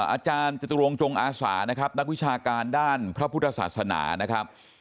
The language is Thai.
อาจารย์จตุรงจงอาสานะครับนักวิชาการด้านพระพุทธศาสนานะครับ